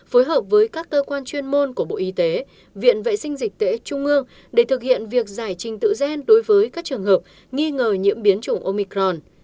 phối hợp với các cơ quan chuyên môn của bộ y tế viện vệ sinh dịch tễ trung ương để thực hiện việc giải trình tự gen đối với các trường hợp nghi ngờ nhiễm biến chủng omicron